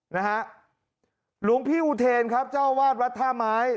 นะฮะหลวงพี่อุเทนครับเจ้าวาดวัดท่าไม้